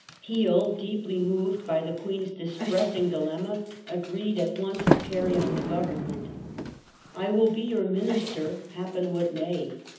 Peel, deeply moved by the Queen's dis tressing dilemma, agreed at once to caiTy on the Government. " I will be your Minister, happen what may.